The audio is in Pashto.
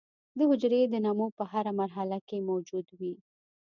د حجرې د نمو په هره مرحله کې موجود وي.